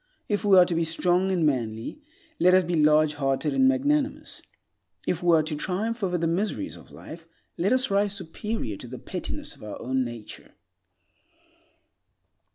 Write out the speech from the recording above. If we are to be strong and manly, let us be large hearted and magnanimous. If we are to triumph over the miseries of life, let us rise superior to the pettiness of our nature.